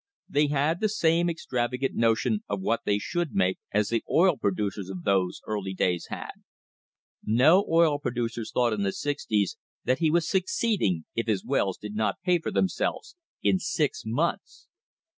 They had the same extrava gant notion of what they should make as the oil producers of those early days had. No oil producer thought in the six ties that he was succeeding if his wells did not pay for them selves in six months!